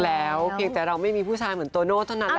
โอเคแต่เราไม่มีผู้ชายเหมือนตัวโน่นเท่านั้นแหละค่ะ